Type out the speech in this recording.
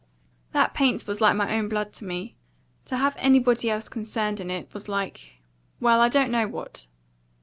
That paint was like my own blood to me. To have anybody else concerned in it was like well, I don't know what.